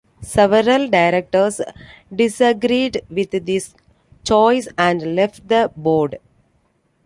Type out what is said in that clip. Several directors disagreed with this choice and left the board.